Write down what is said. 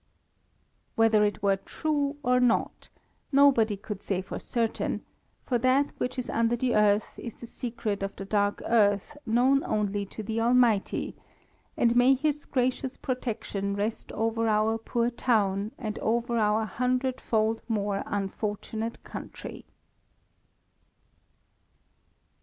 Whether it were true or not, nobody could say for certain, for that which is under the earth is the secret of the dark earth known only to the Almighty, and may His gracious protection rest over our poor town and over our hundred fold more unfortunate country!